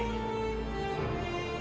yang sudah dikenal